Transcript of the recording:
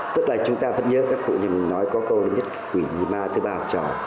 tức là chúng ta vẫn nhớ các cụ như mình nói có câu là nhất quỷ nhì ma thứ ba học trò